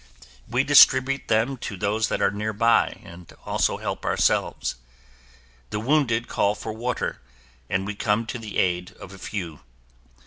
We distribute them to those that are nearby and also help ourselves. The wounded call for water and we come to the aid of a few.